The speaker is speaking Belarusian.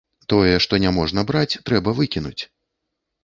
Тое, што няможна браць, трэба выкінуць.